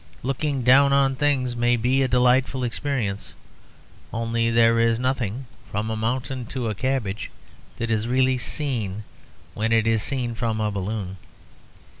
Looking down on things may be a delightful experience, only there is nothing, from a mountain to a cabbage, that is really seen when it is seen from a balloon.